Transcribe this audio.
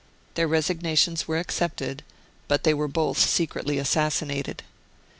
Their resignations were accepted, but they were both secretly assassinated.